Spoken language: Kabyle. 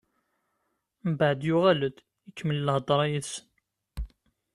Mbeɛd yuɣal-d ikemmel lhedṛa yid-sen.